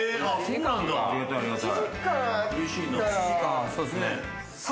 ありがたいありがたい。